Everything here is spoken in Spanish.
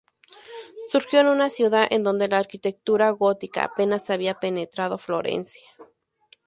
Surgió en una ciudad en donde la arquitectura gótica apenas había penetrado, Florencia.